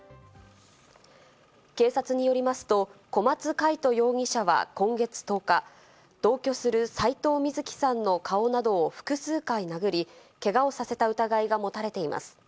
警察によりますと、小松魁人容疑者は今月１０日、同居する斎藤瑞希さんの顔などを複数回殴り、けがをさせた疑いが持たれています。